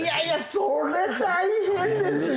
それ大変ですよ！